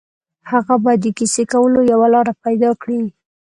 هغه باید د کیسې کولو یوه لاره پيدا کړي